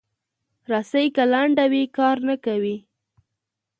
رسۍ که لنډه وي، کار نه کوي.